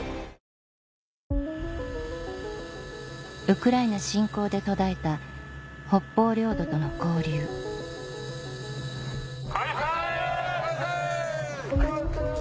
ウクライナ侵攻で途絶えた北方領土との交流返せ！